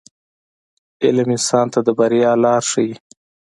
• علم انسان ته د بریا لار ښیي.